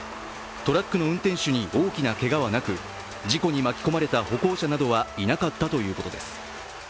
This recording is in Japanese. トラックの運転手に大きなけがはなく事故に巻き込まれた歩行者などはいなかったということです。